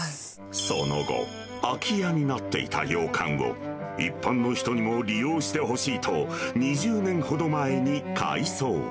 その後、空き家になっていた洋館を、一般の人にも利用してほしいと、２０年ほど前に改装。